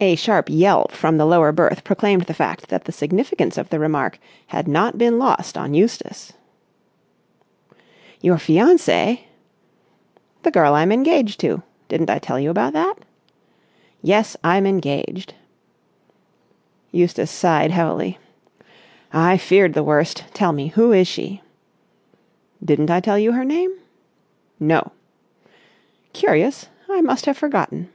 A sharp yelp from the lower berth proclaimed the fact that the significance of the remark had not been lost on Eustace. "Your fiancée?" "The girl I'm engaged to. Didn't I tell you about that? Yes, I'm engaged." Eustace sighed heavily. "I feared the worst. Tell me, who is she?" "Didn't I tell you her name?" "No." "Curious! I must have forgotten."